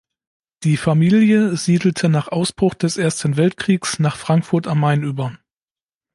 Die Familie siedelte nach Ausbruch des Ersten Weltkriegs nach Frankfurt am Main über.